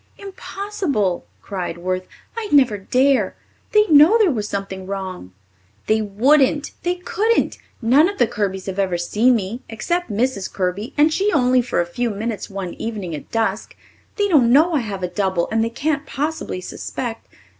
"Impossible," cried Worth. "I'd never dare! They'd know there was something wrong." "They wouldn't they couldn't. None of the Kirbys have ever seen me except Mrs. Kirby, and she only for a few minutes one evening at dusk. They don't know I have a double and they can't possibly suspect.